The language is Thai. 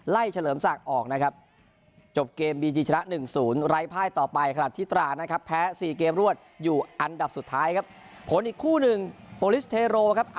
ไล่เฉลิมสักออกนะครับ